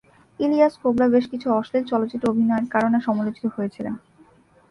ইলিয়াস কোবরা বেশ কিছু অশ্লীল চলচ্চিত্রে অভিনয়ের কারণে, সমালোচিত হয়েছিলেন।